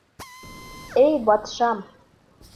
— Эй батшам!